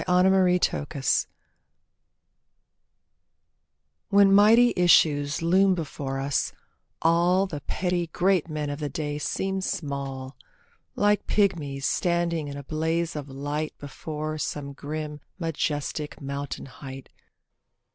A PLEA TO PEACE When mighty issues loom before us, all The petty great men of the day seem small, Like pigmies standing in a blaze of light Before some grim majestic mountain height.